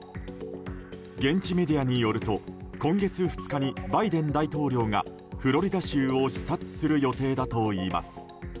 現地メディアによると今月２日にバイデン大統領がフロリダ州を視察する予定だといいます。